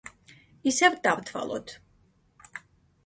ისევ დავთვალოთ.